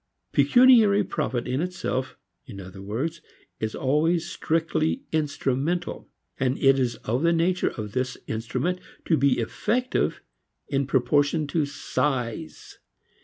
Pecuniary profit in itself, in other words, is always strictly instrumental, and it is of the nature of this instrument to be effective in proportion to size.